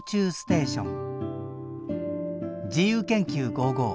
「自由研究５５」